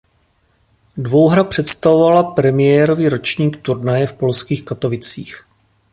Dvouhra představovala premiérový ročník turnaje v polských Katovicích.